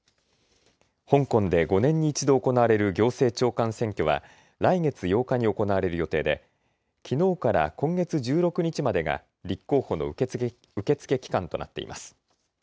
香港で５年に１度行われる行政長官選挙は来月８日に行われる予定できのうから今月１６日までが立候補の受け付け期間となっています。